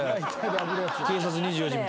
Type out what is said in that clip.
『警察２４時』みたい。